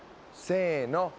せの。